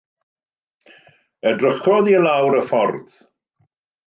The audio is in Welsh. Edrychodd i lawr y ffordd.